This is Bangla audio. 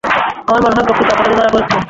আমার মনে হয় প্রকৃত অপরাধী ধরা পড়েছে।